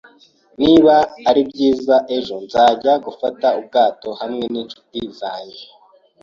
Niba ari byiza ejo, nzajya gufata ubwato hamwe ninshuti zanjye.